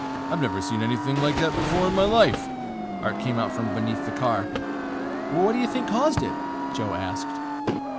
"I've never seen anything like that before in my life!" Art came out from beneath the car. "What do you think could cause it?" Joe asked.